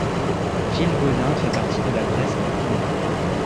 Villegaudin fait partie de la Bresse bourguignonne.